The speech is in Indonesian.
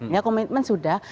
ya komitmen sudah